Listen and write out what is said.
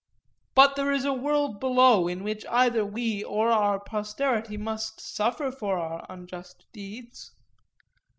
'But there is a world below in which either we or our posterity will suffer for our unjust deeds.